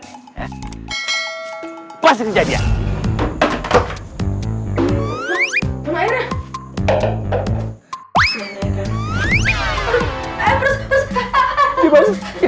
hai pasti jadi ya